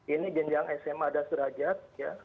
ini jenjang smp dan sederajat ya